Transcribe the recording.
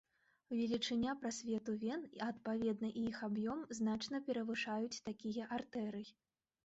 Велічыня прасвету вен, а адпаведна і іх аб'ём, значна перавышаюць такія артэрый.